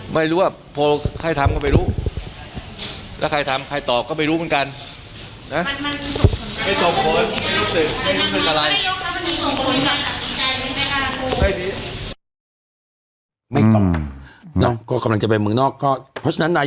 ไม่รู้ว่าโทรใครทำก็ไม่รู้แล้วใครทำใครตอบก็ไม่รู้เหมือนกันนะ